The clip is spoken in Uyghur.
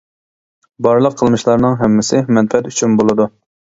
بارلىق قىلمىشلارنىڭ ھەممىسى مەنپەئەت ئۈچۈن بولىدۇ.